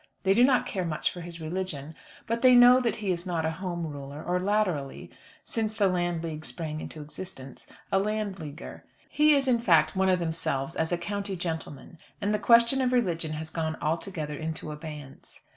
They do not care much for his religion, but they know that he is not a Home Ruler, or latterly, since the Land League sprang into existence, a Land Leaguer. He is, in fact, one of themselves as a county gentleman, and the question of religion has gone altogether into abeyance.